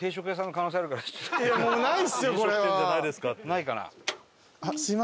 ないかな？